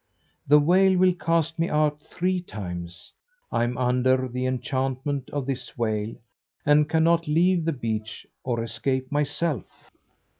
The whale will cast me out three times. I'm under the enchantment of this whale, and cannot leave the beach or escape myself.